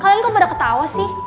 kalian kok berapa ketawa sih